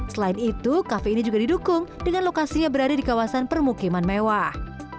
selain itu kafe ini juga didukung dengan lokasinya berada di kawasan permukiman mewah